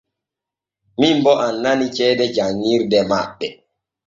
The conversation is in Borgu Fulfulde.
Min bo annani ceede jan ŋirde maɓɓe.